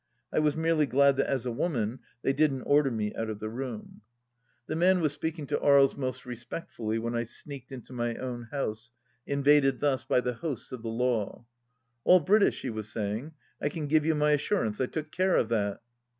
I was merely glad that, as a woman, they didn't order me out of the room. THE LAST DITCH 107 The man was speaking to Aries most respectfully when I sneaked into my own house, invaded thus by the hosts of the law. " All British 1 " he was saying. " I can give you my assurance. I took care of that."